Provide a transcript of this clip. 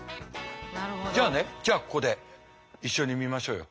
じゃあねじゃあここで一緒に見ましょうよ。